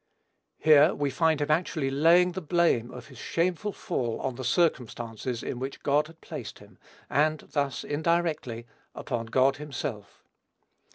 Here, we find him actually laying the blame of his shameful fall on the circumstances in which God had placed him, and thus, indirectly, upon God himself.